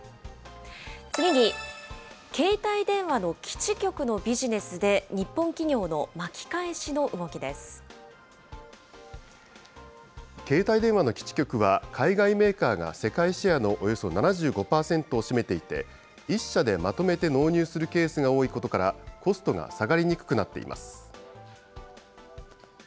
次に、携帯電話の基地局のビジネスで、携帯電話の基地局は、海外メーカーが世界シェアのおよそ７５％を占めていて、１社でまとめて納入するケースが多いことから、コストが下がりにくくなっています。